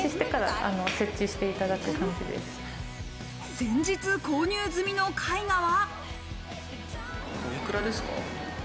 先日、購入済みの絵画は。